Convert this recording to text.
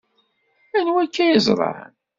Anwa akka i yeẓran?